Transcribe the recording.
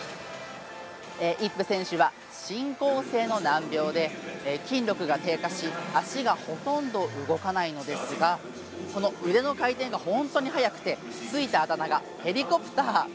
イップ選手は進行性の難病で筋力が低下し足がほとんど動かないんですがその腕の回転が本当に速くてついたあだ名がヘリコプター。